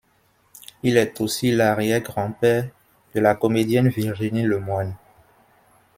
Il est aussi l'arrière grand-père de la comédienne Virginie Lemoine.